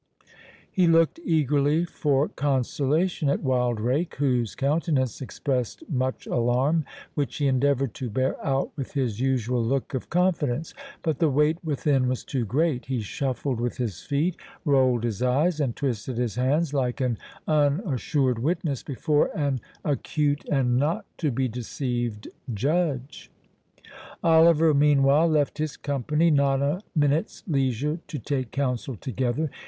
He looked eagerly for consolation at Wildrake, whose countenance expressed much alarm, which he endeavoured to bear out with his usual look of confidence. But the weight within was too great; he shuffled with his feet, rolled his eyes, and twisted his hands, like an unassured witness before an acute and not to be deceived judge. Oliver, meanwhile, left his company not a minute's leisure to take counsel together.